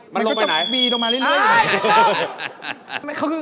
มันก็จะมีลงมาเรื่อย